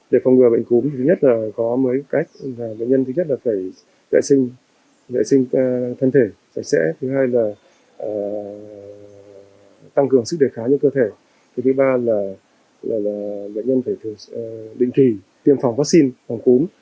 để phòng ngừa bệnh cúm thứ nhất là có mấy cách bệnh nhân thứ nhất là phải vệ sinh vệ sinh thân thể sạch sẽ thứ hai là tăng cường sức đề kháng cho cơ thể thứ ba là bệnh nhân phải định kỳ tiêm phòng vaccine phòng cúm